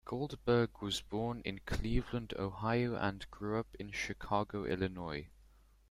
Goldberg was born in Cleveland, Ohio, and grew up in Chicago, Illinois.